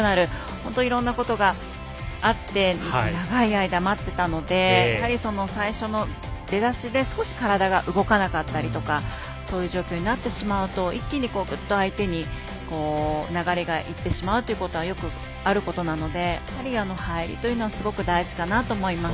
本当にいろんなことがあって長い間、待っていたのでやはり最初の出だしで少し体が動かなかったりとかそういう状況になってしまうと一気にグッと相手に流れがいってしまうということがよくあることなのでやはり、入りというのはすごく大事だなと思います。